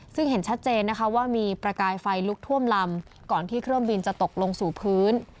ซึ่งเห็นชัดเจนนะคะว่ามีประกายไฟลุกท่วมลำก่อนที่เครื่องบินจะตกลงสู่พื้น